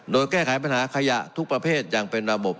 โดยแก้ไขปัญหาขยะทุกประเภทอย่างเป็นระบบ